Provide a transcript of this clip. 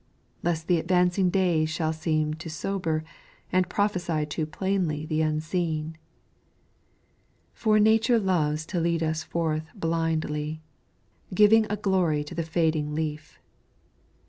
Lest the advancing days shall seem to sober, And prophesy too plainly the unseen; For Nature loves to lead us forward blindly, Giving a glory to the fading leaf!